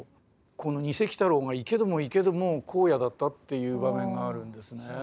このにせ鬼太郎が行けども行けども荒野だったっていう場面があるんですね。